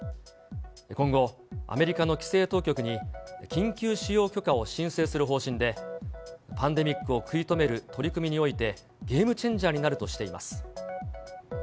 今後、アメリカの規制当局に、緊急使用許可を申請する方針で、パンデミックを食い止める取り組みにおいて、ゲームチェンジャーになるとしています。